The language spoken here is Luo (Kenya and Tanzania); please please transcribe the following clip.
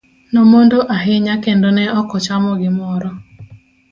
Nomondo ahinya kendo ne ko ochamo gimoro.